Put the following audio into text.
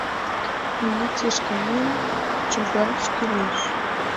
— Милицийыш каен чогаш кӱлеш.